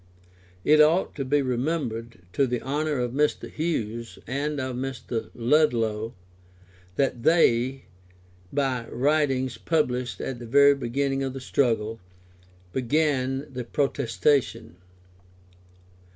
It ought to be remembered to the honour of Mr. Hughes and of Mr. Ludlow, that they, by writings published at the very beginning of the struggle, began the protestation.